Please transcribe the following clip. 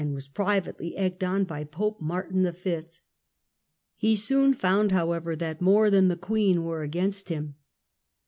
of privately egged on by Pope Martin V. He soon found, 1420 however, that more than the Queen were against him.